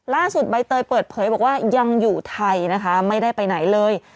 ใบเตยเปิดเผยบอกว่ายังอยู่ไทยนะคะไม่ได้ไปไหนเลย